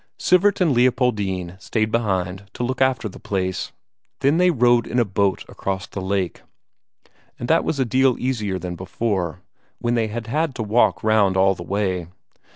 Sivert and Leopoldine stayed behind to look after the place. Then they rowed in a boat across the lake, and that was a deal easier than before, when they had had to walk round all the way.